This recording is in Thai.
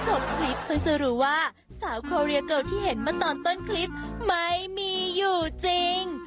โอ้ยสมคลิปคือจะรู้ว่าสาวโครเยอเกิ้ลที่เห็นก็สอนต้นคลิปไม่มีอยู่จริง